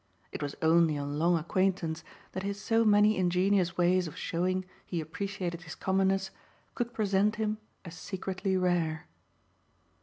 It was only on long acquaintance that his so many ingenious ways of showing he appreciated his commonness could present him as secretly rare.